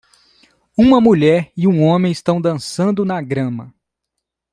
Uma mulher e um homem estão dançando na grama.